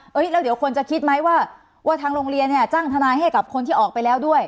แล้วเดี๋ยวคนจะคิดไหมว่าทางโรงเรียนเนี่ยจ้างทนายให้กับคนที่ออกไปแล้วด้วย